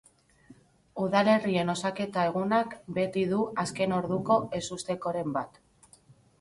Udalerrien osaketa egunak beti du azken orduko ezustekoren bat.